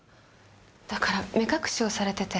だから目隠しをされてて。